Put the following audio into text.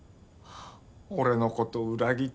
俺の事裏切って。